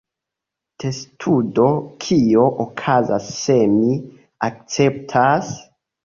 Testudo: "Kio okazas se mi akceptas?"